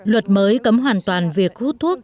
luật mới cấm hoàn toàn việc hút thuốc